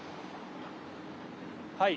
はい。